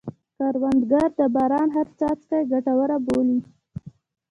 کروندګر د باران هره څاڅکه ګټوره بولي